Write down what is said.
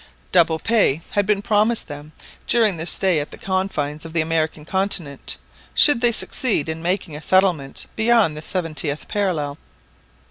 Double pay had been promised them during their stay at the confines of the American continent, should they succeed in making a settlement beyond the seventieth parallel.